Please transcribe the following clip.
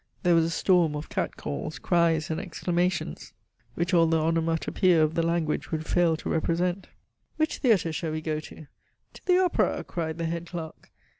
There was a storm of cat calls, cries, and exclamations, which all the onomatopeia of the language would fail to represent. "Which theatre shall we go to?" "To the opera," cried the head clerk.